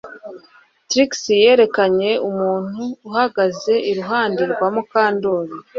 Trix yerekanye umuntu uhagaze iruhande rwa Mukandoli